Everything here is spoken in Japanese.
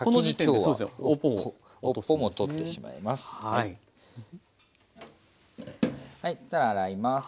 はいじゃあ洗います。